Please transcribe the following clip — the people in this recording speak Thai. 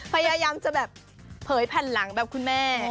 พยายามจะแบบเผยผ่านถูกจอดแบบคุณแม่